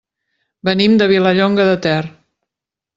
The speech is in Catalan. Venim de Vilallonga de Ter.